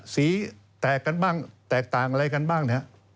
สีแตกกันบ้างแตกต่างอะไรกันบ้างนะฮะ